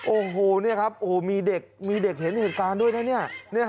โอ้โฮนี่ครับมีเด็กเห็นเหตุการณ์ด้วยนะนี่